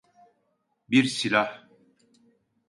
Bir silah.